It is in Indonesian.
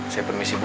saya permisi bu